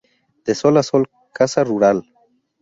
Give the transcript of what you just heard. De sol a sol: casa rural.